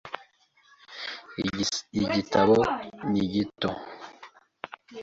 Igitabo ni gito .